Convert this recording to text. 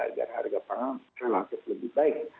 agar harga pangan relatif lebih baik